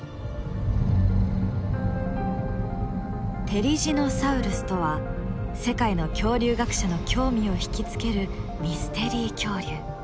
テリジノサウルスとは世界の恐竜学者の興味を引き付けるミステリー恐竜。